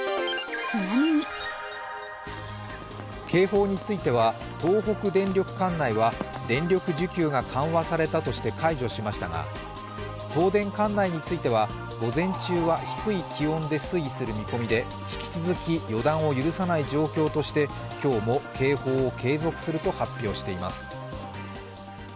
警報については、東北電力管内は電力需給が緩和されたとして解除されましたが東電管内については午前中は低い気温で推移する見込みで引き続き予断を許さない状況として、今日も警報を継続すると発表しています。